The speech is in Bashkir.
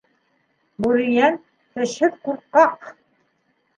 Бүрейән - тешһеҙ ҡурҡаҡ!